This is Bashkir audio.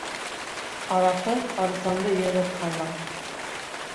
Араҡы арыҫланды йығып һалған.